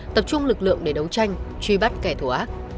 tập trung lực lượng để đấu tranh truy bắt kẻ thù ác